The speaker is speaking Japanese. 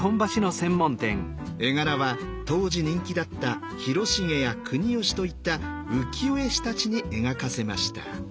絵柄は当時人気だった広重や国芳といった浮世絵師たちに描かせました。